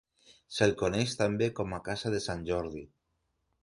Se'l coneix també com la casa de Sant Jordi.